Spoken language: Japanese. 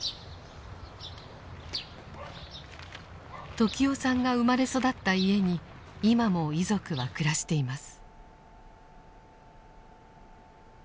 時雄さんが生まれ育った家に今も遺族は暮らしています。